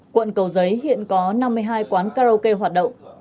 quận cầu giấy hiện có năm mươi hai quán karaoke hoạt động